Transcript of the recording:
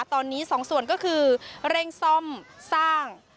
ตอนนี้สองส่วนก็คือเร่งซ่อมสร้าง